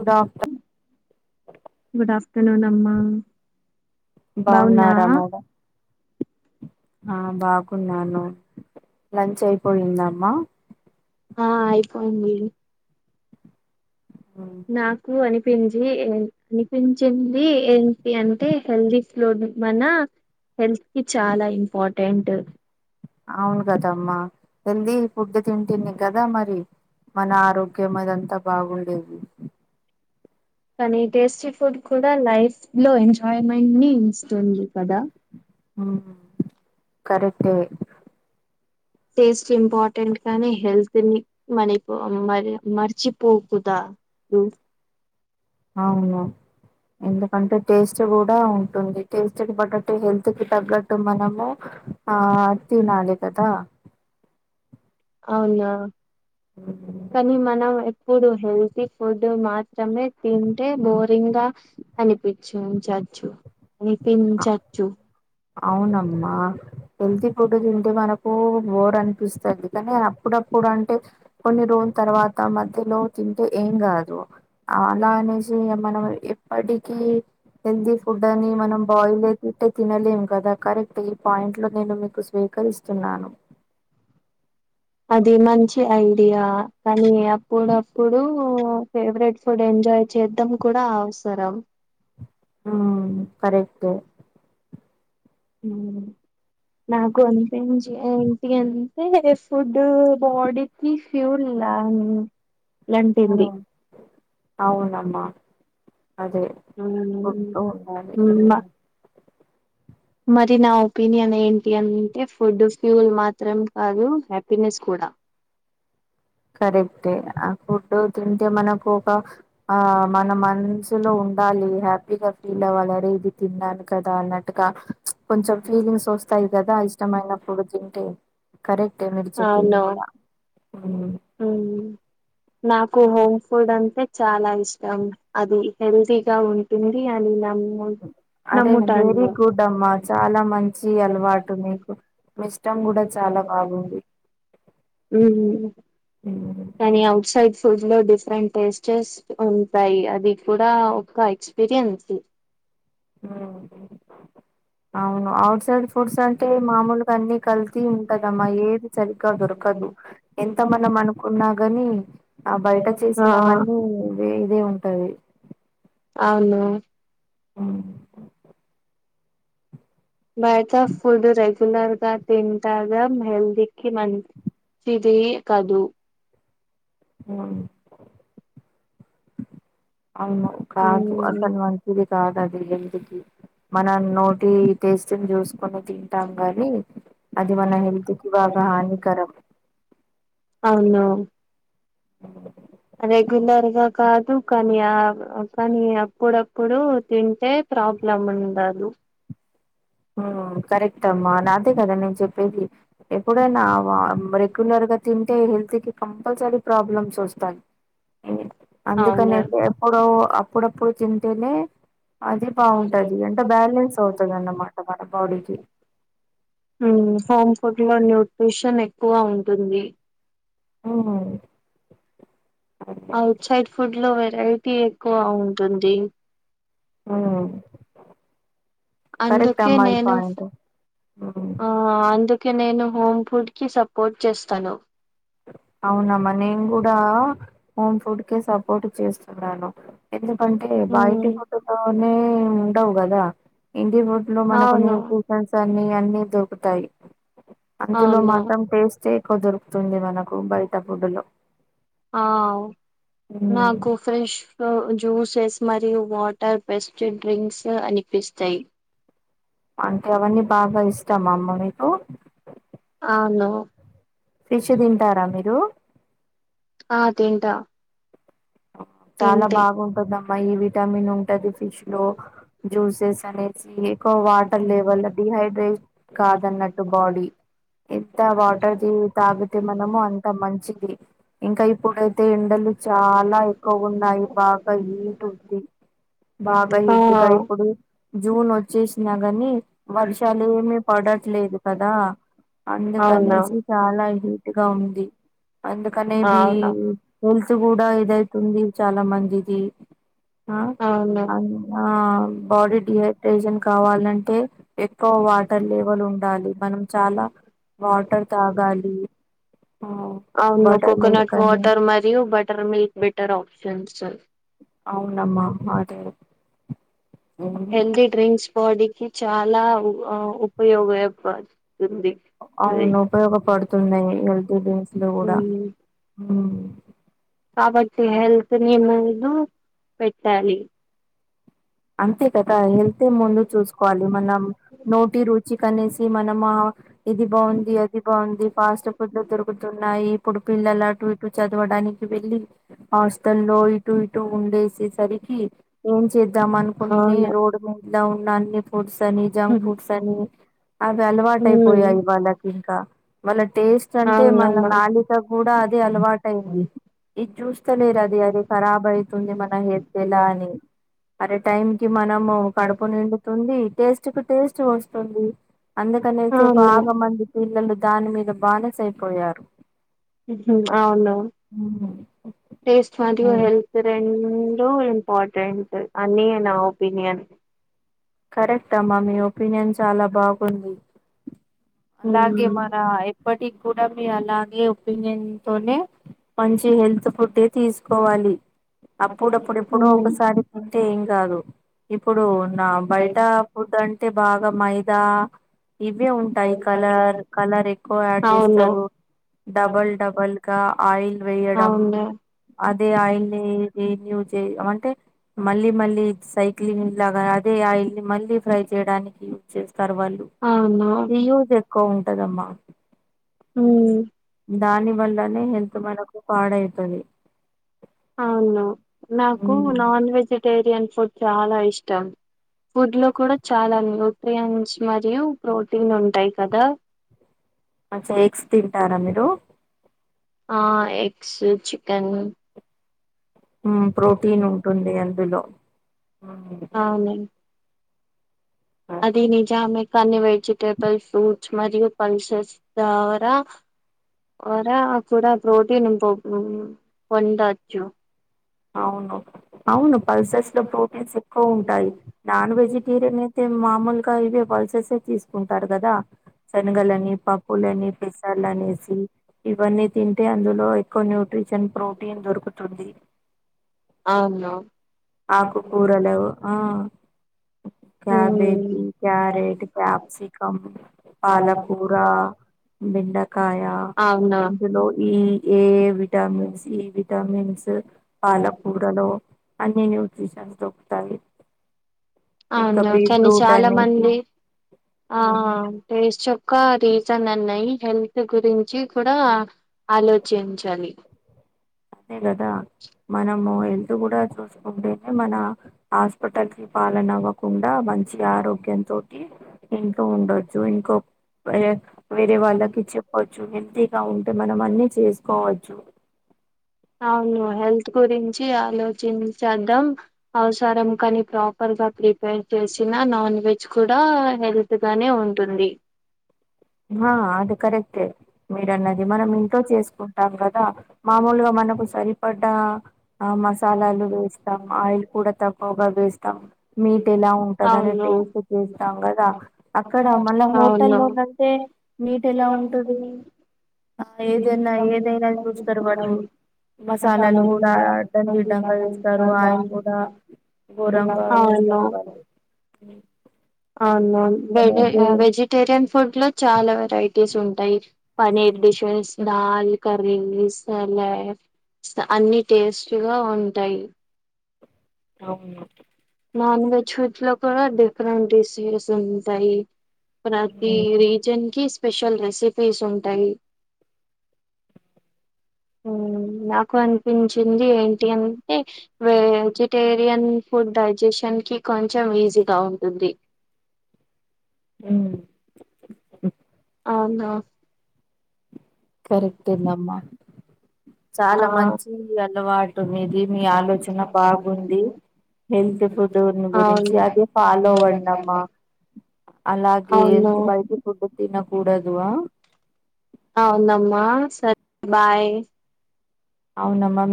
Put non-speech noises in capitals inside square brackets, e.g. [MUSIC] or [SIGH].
గుడాప్టర్ good afternoon అమ్మా! బాగున్నారా బాగున్నావా? మేడం ఆ, బాగున్నాను. లంచ్ అయి పోయిందామ్మా? ఆ, అయి పోయింది. ఊ నాకు అనిపించి ఏన్ ఇనిపించింది ఏంటి అంటే, హెల్దీ ఫ్లోడ్ మన హెల్త్ కి చాల ఇంపార్టెంట్ అవును గదమ్మా. హెల్దీన్ ఫుడ్ తింటింది గదా మరి? మన ఆరోగ్యం అదంతా బాగుండేది. కనీ టేస్టీ ఫుడ్ కూడా లైఫ్ లో ఎంజాయ్మెంట్ ని ఇస్తుంది కదా? అ కరెక్ట్ టేస్ట్ ఇంపార్టెంట్ కానీ హెల్త్ ని మనీపో మరి మర్చిపోకుదా మ్ అవును ఎందుకంటే టేస్ట్ కూడా ఉంటుంది టేస్ట్ కి తగ్గట్టు హెల్త్ కి తగ్గట్టు మనము ఆ తినాలి కదా అవునా కానీ మనం ఇప్పుడు హెల్తీ ఫుడ్ మాత్రమే తింటే బోరింగ్ గా అనిపించించచ్చు వినిపించ్చచ్చు అవునమ్మా హెల్తీ ఫుడ్ తింటే మనకు బోర్ అనిపిస్తది కానీ అప్పుడప్పుడు అంటే కొన్ని రోజుల తర్వాత మధ్యలో తింటే ఏం కాదు అలా అనేసి మనం ఎప్పటికీ హెల్తీ ఫుడ్ అని మనం ట్టే తినలేము కదా కరెక్ట్ ఈ పాయింట్ లో నేను మీకు స్వీకరిస్తున్నాను అది మంచి ఐడియా కానీ అప్పుడప్పుడు ఫేవరెట్ ఫుడ్ ఎంజాయ్ చేద్దాం కూడా అవసరం ఆ కరెక్టే మ్ నాకు అంతే మంచిగ ఏంటి అంటే ఫుడ్ బాడీ ని ఫ్లూన్ లాని అవునమ్మా అదే ఫుడ్ మ్ ఉండాలి మా ఉమ్. మరి నా ఒపీనియన్ ఏంటి అంటే ఫుడ్ ఫ్యూల్ మాత్రం కాదు హ్యాపీనెస్ కూడా కరెక్టే ఆ ఫుడ్ తింటే మనకు ఒక ఆ మన మనసులో ఉండాలి హ్యాపీగా ఫీల్ అవ్వాలిరే ఇది తిన్నాను కదా అన్నట్ ట్టుగా కొంచెం ఫీలింగ్స్ వస్తాయి కదా ఇష్టమైనప్పుడు తింటే కరెక్టే మీరు చెప్పింది కూడా మ్ మ్ నాకు హోమ్ ఫుడ్ అంటే చాలా ఇష్టం అది హెల్తీగా ఉం ఉంటుంది అన్నం మొ అరే వెరీ గుడ్ అమ్మా చాలా మంచి అలవాటు మీకు మీ ఇష్టం కూడా చాలా బాగుంది మ్ ఉమ్. కానీ ఔట్సైడ్స్ ఫుడ్ లో డిఫరెంట్ టేస్టెస్స్ ఉంటాయి అది కూడా ఒక ఎక్స్పీరియన్స్ ఆ అవును ఔట్ సైడ్ ఫుడ్స్ అంటే మామూలుగా అన్ని కల్తి ఉంటదమ్మా ఏది సరిగ్గా దొరకదు ఎంత మనం అనుకున్నా కాని ఆ బయట ఆ చేసినవన్ని ఇదే ఇదే ఉంటది అవును అ బయట ఫుడ్ రడ్ రెగ్యులర్ గా తింటాద హెల్తీ కి మంచిది కదు మ్ అవును కాదు ఉమ్ అసలు మంచిదీ కాదు అది హెల్త్ కి మనం నోటి టేస్ట్ని చూసుకునేది ంటాం కాని అది మన హెల్త్ కి బాగా హానికరం అవును అ రెగ్యులర్ గా కాదు కానీ ఆ కానీ అప్పుడప్పుడు తింటే ప్రాబ్లమ్ ఉండదు ఉం కరెక్ట్ అమ్మా నాదే కదా నేను చెప్పేది ఎప్పుడైనా రెగ్యులర్గా తింటే హెల్త్ కి కంపల్సరీ ప్రాబ్లమ్స్ వస్తాయి అందుకనే అవును ఇప్పుడు అప్పుడప్పుడు తింటేనే అది బాగుంటది అంటే బ్యాలెన్స్ అవుతది అన్నమాట మన స స బాడీకి [UNINTELLIGIBLE] ఉం హోమ్ ఫుడ్ లో న్యూట్రిషన్ ఎక్కువ ఉంటుంది ఉం ఔట్ సైడ్ ఫుడ్ లో వెరైటీ ఎక్కువ ఉంటుంది ఉం కరెక్ట్ అందుకే అమ్మా ఆది నేను పాయింట్ ఉం ఆ అందుకే నేను హోమ్ ఫుడ్ కి సపోర్ట్ చేస్తాను అవునమ్మా నేను కూడా హోమ్ ఫుడ్ కే సపోర్ట్ చేస్తున్నాను ఎందుకంటే బయటి ఉమ్ ఫోటల్లోనే ఉండవు గాదా ఇంటి రోడ్ లో మన కొన్ని అవును [UNINTELLIGIBLE] అన్ని అన్ని దొరుకుతాయి అందులో అవును మాత్రం టేస్టే ఎక్కువ దొరుకుతుంది మన నాకు బయట ఫుడ్ లో ఆ నాకు ఉమ్. కో ఫ్రెష్ జ్యూసెస్ మరియు వాటర్ బెస్డ్ డ్రింక్స్ అనిపిస్తాయి అంటే అవన్నీ బాగా ఇష్టమా మా అమ్మ మీకు అవును ఫిష్ తింటారా మీరు ఆ తింట చాలా బాగుంటదిమ్మా ఈ విటామిన్ ఉంటది ఫిష్ లో జ్యూసెస్ అనే సి ఎక్కు వాటర్ లెవల్లో డిహైడ్రేట్ కాదన్నట్టు బాడీ ఎంత వాటర్ ది తాగితే మనము అంత ఆ మంచిది ఇంకా ఇప్పుడైతే ఎండలు చా చాలా ఎక్కువగా ఉన్నాయి బాగా హీట్ ఉంది బాగా హీట్గా ఇప్పుడు జూన్ వచ్చేసినా గని వర్షాలు ఏమి పడట్లేదు కదా అవునా అందుకనేసి అవును చాలా హీట్గా ఉంది అందు కనే బి హేల్త్ కూడా ఇదై తుంది చాలా మందిది ఆ అవును అ బాడీ డి రేజన్ కావాలంటే ఎక్కువ వాటర్ లెవెల్ ఉండాలి మనం చాలా వాటర్ తాగాలి ఆ అవును వాటర్ కోకోనట్ మిల్క్ అని వాటర్ మరియు బటర్ మిల్క్ బెటర్ ఆప్షన్స్ అవునమ్మా అదే హెల్దీ డ్రింక్స్ బాడీకిి చాలా ఆ ఉపయోగపడుతుంది అవును ఉపయోగపడుతుంది హెల్తీ డీమ్స్ లో గుడా ఉమ్ ఉం కాబట్టి హెల్త్ నీ ముందు పెట్టాలి అంతే కదా హెళ్తే ముందు చూసుకోవాలి మనం నోటి రు చికనేసి మనము ఇది బావుంది అది బావుంది ఫాస్ట్ ఫుడ్లు దొరుకుతున్నాయి ఇప్పుడు పిల్లల అటు ఇటు చదవడానికి వెళ్ళి హాస్టల్లో ఇటు ఇటు ఉండిసేసరికి ఏం చే ద్దాం అనుకుని అవును రోడ్ మీద ఉన్న అన్ని ఫుడ్స్ అని జంక్ ఫుడ్స్ అని ఉమ్ అవి అలవాటయిపోయాయి వాళ్ళకి ఇంకా వాళ్ళ టేస్ట్ అంటే మన నాళిక కూడా అదే అవునమ్మా అలవాటయింది ఇది చూస్తలేరు అది అది కరబ్ అవును అయితుంది మన హెల్త్ ఎలా అని అరే టైం కి మనము కడుపు నిండుతుంది టేస్ట్ కి టేస్ట్ వస్తుంది అందు పక్కనేసే బాగా మంది పిల్లలు దాని మీద బానిస అయిపోయారు ఊహూ అవునా ఉ టేస్ట్ మరియు అవును హెల్త్ ఇ రెండు ఇంపార్టెంట్ అని నా ఒపీనియన్ కరెక్ట్ అమ్మా మీ ఒపీనియన్ చాలా బాగుంది అలాగే మన ప్పటికి గుడా మీ అలాగే ఒపీనియన్ తోనే మంచి హెల్త్ ఫుడే తీసుకోవాలి అప్పుడప్పుడప్పుడు ఎప్పుడో ఒకసారి అంటే ఏం కాదు ఇప్పుడు నా బయట ఫుడ్ అంటే బాగా మైదా ఇవే ఉంటాయి కలర్ కలర్ ఎక్కువ యాడ్ అవును అవును చేస్తారు డబల్ డబల్ గా ఆయిల్ వేయడం అదే ఆయిల్ ని [UNINTELLIGIBLE] చేయ్ అంటే మళ్ళీ మళ్ళీ సైక్లింగ్ లాగా దే ఆయిల్నీ మళ్ళీ ఫ్రై చేయడానికి యూజ్ చేస్తారు వాళ్ళు అవును రీయిస్ తక్కువ ఉంటదమ్మా హ్మ్ దాని వల్లనే హెల్త్ మనకు పాడవుతది అవును నాకు నాన్ వెజిటేరియన్ ఫుడ్ చాల ఇష్టం ఫుడ్ లో కూడా చాలా న్యూట్రియన్స్ మరియు ప్రోటీన్ ఉంటాయి కదా మచ్చా ఎగ్స్ తింటారా మీరు ఆ ఎగ్స్ చికెను హ్మ్ ప్రోటీన్ ఉంటుంది అందులో ఉమ్, అవును అది. నిజామే కానీ వెజిటేబుల్స్ ఫ్రూట్స్ మరియు పల్సస్ ద్వారా వర కూడా ప్రోటీన్ పో వండచ్చు అవును అవును పల్సర్స్ లో ప్రోటీన్స్ ఎక్కువ ఉంటాయి నాన్ వెజిటేరియన్ అయితే మామూలుగా ఇవే పల్సెస్ తీసుకుంటారు కదా శనగలని పప్పులని పెసర్లనేసి ఇవన్నీ తింటే అందులో ఎక్కువ న్యూట్రిషన్ ప్రోటీన్ దొరుకుతుంది అవును ఆకుకూరలవు ఆ క్యాబేజీ క్యారెట్ క్యాప్సికమ్ పాలకూరా బెండకాయ అవునా అవును అందులో ఈ ఏ విటామిన్స్ ఈ విటామిన్స్ పాలకూరలో అన్ని న్యూట్రిషన్స్ దొరుకుతాయి ఇంకా అవును కాని బీట్రూట్ చాల అనేసి మంది ఆ ఉమ్, టేస్ట్ యొక్క రీజన్ అన్నాయి హెల్త్ గురించి కూడా ఆలోచించాలి అంతే కదా మనము హెల్త్ గుడా చూసుకుంటేనే మన హాస్పిటల్ కి పాలన అవ్వకుండా మంచి ఆరోగ్యం తోటి ఇంకా ఉండొచ్చు ఇంకో ఏ వేరే వాళ్ళకి చెప్పచ్చు హెల్దీగా ఉంటే మనం అన్ని చేసుకోవచ్చు అవును హెల్త్ గురించి ఆలోచించేద్దాం అవసరం కానీ ప్రాపర్ గా ప్రిపేర్ చేసిన నాన్ వెజ్ కూడా హెల్త్ గానే ఉంటుంది ఆ అది కరెక్టే మీరన్నది మనం ఇంట్లో చేసుకుంటాం కదా మామూలుగా మనకు సరిపడ్డ ఆ మసాలాలు వేస్తాం ఆయిల్ కూడా తక్కువగా వేస్తాం మీట్ ఎలా ఉంటదీ అనే అవును టేస్ వేస్తాం కదా అక్కడ మళ్ళ హోటల్లో ఉన్నంత తే మీట్ ఎలా ఉంటది ఆ ఏదైనా ఏదైనా చూస్తారు వాడు మసాలాలు కూడా ఆ డ్డంగా అవును వేస్తారు ఆయిల్ కూడా ఘోరంగా వేస్తారు అవును వాళ్ళు అవునవును వె అందుకని అదే వెజిటేరియన్ ఫుడ్ లో చాలా వెరైటీస్ ఉంటాయి పనీర్ డిషేస్స్ దల్ కర్రీ అన్ని టేస్ట్ గా ఉంటాయి అవును నాన్ వెజ్ ఫుడ్ లో కూడా డిఫరెంట్ డిషెస్ ఉంటాయి ప్రతి ఉమ్, రీజిన్ కి స్పెషల్ రెసిపీస్ ఉంటాయి మ్ నాకు అనిపించింది ఏంటి అంటే వెజిటేరియన్ ఫుడ్ డైజెషన్ కి కొంచెం ఈజీగా ఉంటుంది మ్ అవున కరెక్టెనమ్మా ఆ చాలా మంచి అలవాటు మీది మీ ఆలోచన బాగుంది హెల్త్ ఫుడ్ గురించి అవును అదే ఫాలో అవ్వండంమ్మ అలాగే అవును బయటి ఫుడ్ తినకూడదు అ అవునమ్మా సర్ బాయ్ అవునమ్మ మీ